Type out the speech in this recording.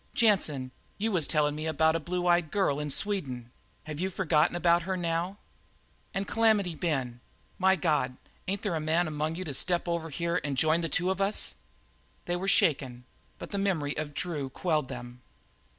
Jansen, you was tellin' me about a blue eyed girl in Sweden; have you forgot about her now? And Calamity Ben! My God, ain't there a man among you to step over here and join the two of us?" They were shaken, but the memory of Drew quelled them.